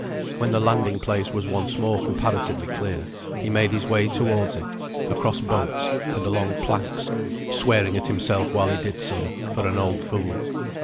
When the landing place was once more comparatively clear, he made his way towards it, across boats, and along planks, swearing at himself while he did so, for an old fool.